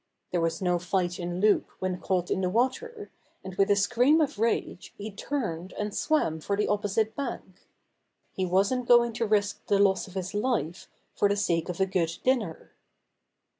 There was no fight in Loup when caught in the water, and with a scream of rage he turned and swam for the opposite bank. He wasn't going to risk the loss of his life for the sake of a good dinner.